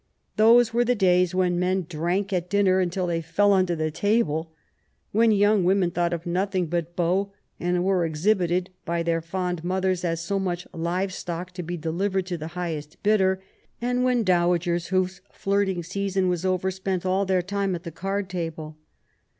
Those were the days when men drank at dinner until they fell under the table ; when young women thought of nothing but beaux, and were exhibited by their fond mothers as so much live stock to be delivered to the highest bidder; and when dowagers, whose flirting season was over, spent all their time at the card table.